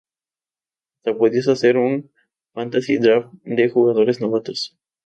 Hasta podías hacer un Fantasy Draft de jugadores novatos.